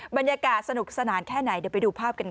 บรรยากาศสนุกสนานแค่ไหนเดี๋ยวไปดูภาพกันค่ะ